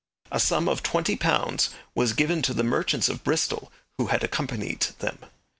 A sum of twenty pounds was given to the merchants of Bristol who had accompanied them.